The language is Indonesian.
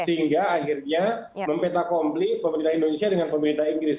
sehingga akhirnya mempetakompli pemerintah indonesia dengan pemerintah inggris